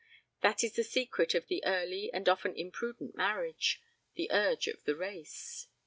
That is the secret of the early and often imprudent marriage the urge of the race.